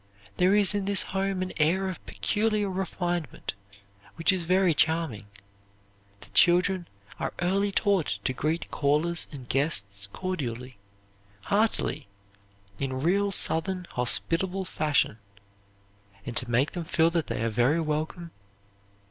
There is in this home an air of peculiar refinement which is very charming. The children are early taught to greet callers and guests cordially, heartily, in real Southern, hospitable fashion, and to make them feel that they are very welcome.